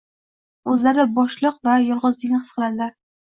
o‘zlarida bo‘shliq va yolg‘izlikni his qiladilar.